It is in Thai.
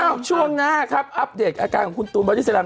เอ้าช่วงหน้าครับอัปเดตอาการของคุณตูนเบอร์ดิสเซลัม